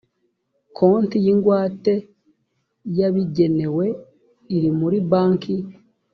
konti y ingwate yabigenewe iri muri banki